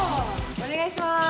おねがいします！